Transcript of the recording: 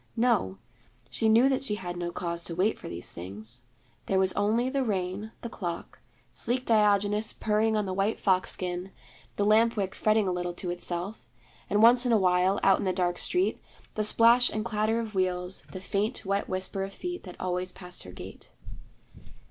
No, she knew that she had no cause to wait for these things. There was only the rain, the clock, sleek Diogenes purring on the white fox skin, the lamp wick fretting a little to itself, and once in a while, out in the dark street, the splash and clatter of wheels, the faint wet whisper of feet that always passed her gate.